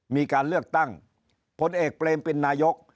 มีการเลือกตั้งผลเอกเปรมเป็นนายก